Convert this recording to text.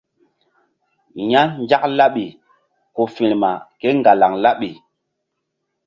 Ya Nzak laɓi ku firma kéŋgalaŋ laɓi.